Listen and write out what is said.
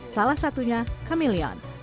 salah satunya kameleon